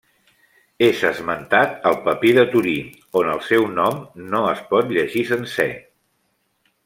És esmentat al Papir de Torí on el seu nom no es pot llegir sencer.